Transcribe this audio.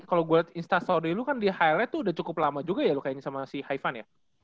kalo gue liat instastory lo kan di highlight tuh udah cukup lama juga ya lo kayaknya sama si haivan ya